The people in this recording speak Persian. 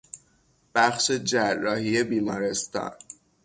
بخش جراحی بیمارستان